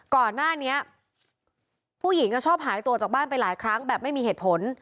ก่อนหน้านี้ผู้หญิงชอบหายตัวจากบ้านไปหลายครั้งแบบไม่มีเหตุผล